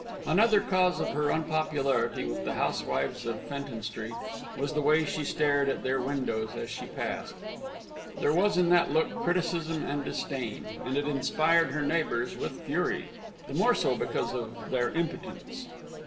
Another cause of her unpopularity with the housewives of Fenton Street was the way she stared at their windows as she passed. There was in that look criticism and disdain, and it inspired her neighbours with fury, the more so because of their impotence.